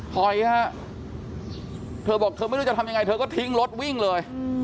ถอยฮะเธอบอกเธอไม่รู้จะทำยังไงเธอก็ทิ้งรถวิ่งเลย